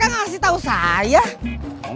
setengah hari ilang saya demek